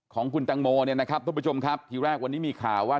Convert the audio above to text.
ของคุณตังโมเนี่ยนะครับทุกผู้ชมครับทีแรกวันนี้มีข่าวว่า